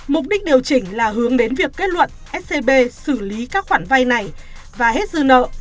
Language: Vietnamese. mục đích điều chỉnh là hướng đến việc kết luận scb xử lý các khoản vay này và hết dư nợ